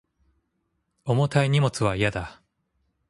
重たい荷物は嫌だ